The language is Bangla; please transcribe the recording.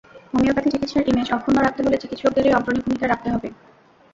হোমিওপ্যাথি চিকিৎসার ইমেজ অক্ষুণ্ন রাখতে হলে চিকিৎসকদেরই অগ্রণী ভূমিকা রাখতে হবে।